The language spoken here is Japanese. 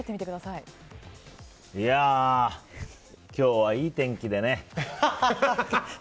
いやー、今日はいい天気でね。